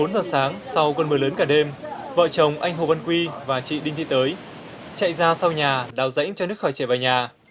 bốn giờ sáng sau cơn mưa lớn cả đêm vợ chồng anh hồ văn quy và chị đinh thị tới chạy ra sau nhà đào rãnh cho đức khỏi trẻ về nhà